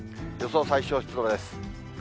予想最小湿度です。